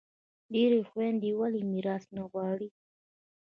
ډیری خویندي ولي میراث نه غواړي؟